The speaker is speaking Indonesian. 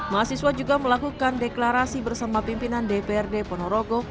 mahasiswa juga melakukan deklarasi bersama pimpinan dprd ponorogo